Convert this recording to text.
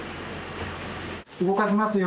動かしますよ。